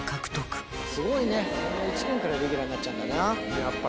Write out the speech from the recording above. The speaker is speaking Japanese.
１年からレギュラーになっちゃうんだな。